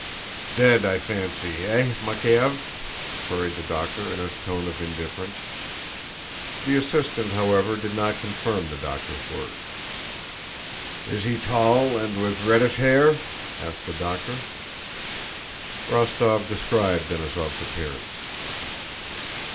"Dead, I fancy. Eh, Makéev?" queried the doctor, in a tone of indifference. The assistant, however, did not confirm the doctor's words. "Is he tall and with reddish hair?" asked the doctor. Rostóv described Denísov's appearance.